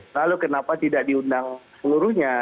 lalu kenapa tidak diundang seluruhnya